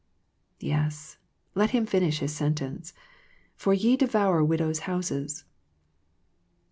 Yes, let Him finish His sentence, "for ye devour widows' houses."